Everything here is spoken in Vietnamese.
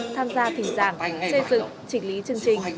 tham gia thỉnh giảng xây dựng chỉnh lý chương trình